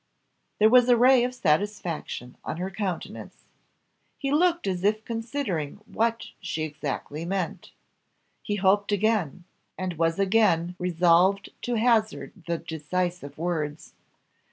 There was a ray of satisfaction on her countenance. He looked as if considering what she exactly meant. He hoped again, and was again resolved to hazard the decisive words.